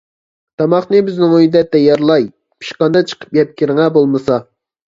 -تاماقنى بىزنىڭ ئۆيدە تەييارلاي، پىشقاندا چىقىپ يەپ كىرىڭە بولمىسا.